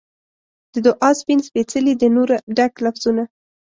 د دعا سپین سپیڅلي د نوره ډک لفظونه